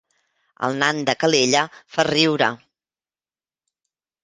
El nan de Calella fa riure